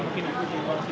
mungkin di luar sini